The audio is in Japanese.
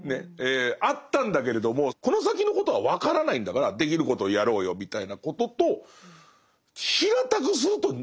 あったんだけれどもこの先のことは分からないんだからできることをやろうよみたいなことと平たくするとまあ似てますよね。